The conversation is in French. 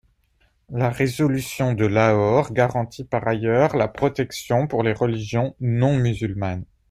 La résolution de Lahore garantit par ailleurs la protection pour les religions non-musulmanes.